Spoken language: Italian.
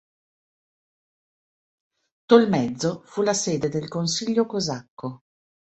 Tolmezzo fu la sede del Consiglio cosacco.